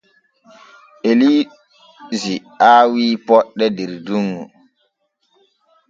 Elise aawi poɗɗe der dunŋu.